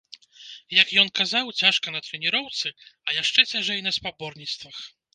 Як ён казаў, цяжка на трэніроўцы, а яшчэ цяжэй на спаборніцтвах.